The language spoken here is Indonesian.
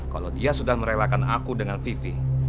kalau dia sudah merelakan aku dengan vivi